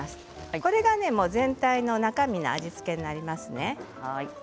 これが全体の中身の味付けになりますね。